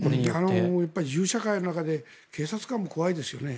銃社会の中で警察官も怖いですよね。